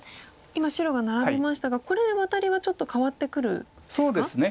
今白がナラびましたがこれでワタリはちょっと変わってくるんですか？